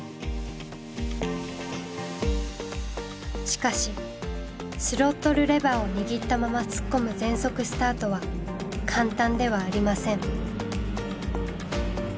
しかしスロットルレバーを握ったまま突っ込む全速スタートは簡単ではありません。